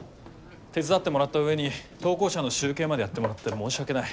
手伝ってもらった上に投稿者の集計までやってもらって申し訳ない。